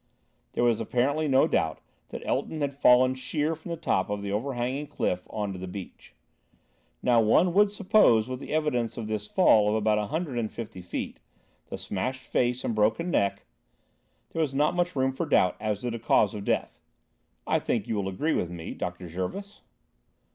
There was apparently no doubt that Elton had fallen sheer from the top of the overhanging cliff on to the beach. Now, one would suppose with the evidence of this fall of about a hundred and fifty feet, the smashed face and broken neck, there was not much room for doubt as to the cause of death. I think you will agree with me, Dr. Jervis?"